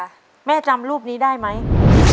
ต้นไม้ประจำจังหวัดระยองการครับ